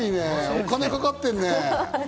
お金かかってんね。